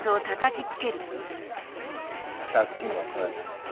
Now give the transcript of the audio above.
借金は返す。